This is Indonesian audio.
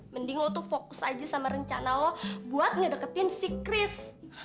mending lo tuh fokus aja sama rencana lo buat ngedeketin si kris